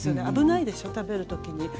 危ないでしょう食べる時に。